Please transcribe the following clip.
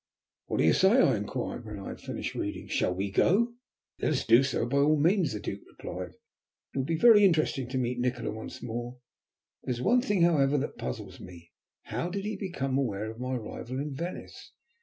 "What do you say?" I inquired, when I had finished reading, "shall we go?" "Let us do so by all means," the Duke replied. "It will be very interesting to meet Nikola once more. There is one thing, however, that puzzles me; how did he become aware of my arrival in Venice?